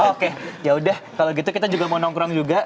oke yaudah kalau gitu kita juga mau nongkrong juga